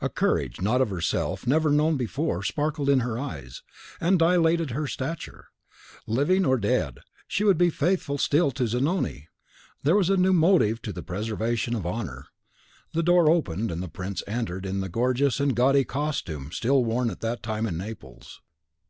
A courage not of herself, never known before, sparkled in her eyes, and dilated her stature. Living or dead, she would be faithful still to Zanoni! There was a new motive to the preservation of honour. The door opened, and the prince entered in the gorgeous and gaudy custume still worn at that time in Naples.